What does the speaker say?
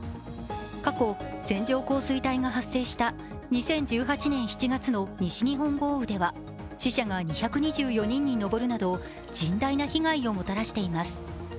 過去、線状降水帯が発生した２０１８年７月の西日本豪雨では死者が２２４人に上るなど甚大な被害をもたらしています。